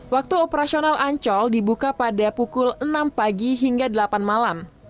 waktu operasional ancol dibuka pada pukul enam pagi hingga delapan malam